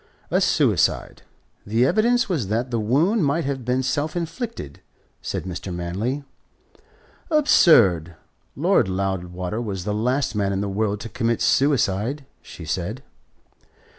"A suicide. The evidence was that the wound might have been self inflicted," said Mr. Manley. "Absurd! Lord Loudwater was the last man in the world to commit suicide!" she cried.